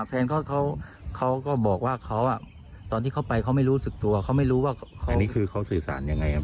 แฟนเขาก็บอกว่าเขาตอนที่เขาไปเขาไม่รู้สึกตัวเขาไม่รู้ว่าอันนี้คือเขาสื่อสารยังไงครับ